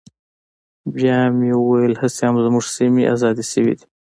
بيا مې وويل هسې هم زموږ سيمې ازادې سوي دي.